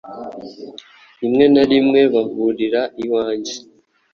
rimwe na rimwe bahurira iwanjye